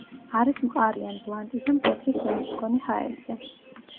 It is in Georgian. არის მყარი ან ბლანტი და მკვეთრი სუნის მქონე ჰაერზე.